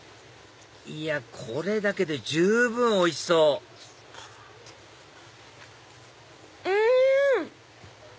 いやこれだけで十分おいしそううん！